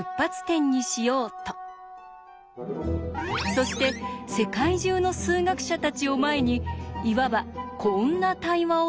そして世界中の数学者たちを前にいわばこんな対話を進めていったんです。